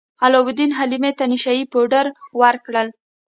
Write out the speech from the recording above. علاوالدین حلیمې ته نشه يي پوډر ورکړل.